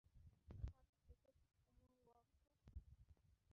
তাদের দেখতে ঠিক কেমন বলোতো।